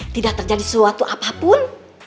tidak terjadi sesuatu apapun